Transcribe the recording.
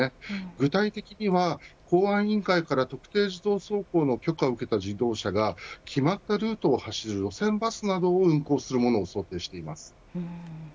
具体的には、公安委員会から特定自動走行の許可を受けた事業者が決まったルートを走る路線バスなどを運行するものを想定しています。